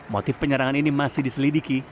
motif penyerangan ini masih diselidiki